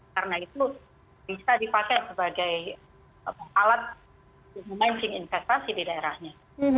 karena itu bisa dipakai sebagai alat memancing investasi di daerahnya